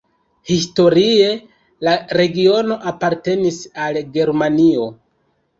Historie la regiono apartenis al Germanio.